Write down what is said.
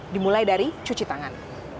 dimulai dari cuci tangan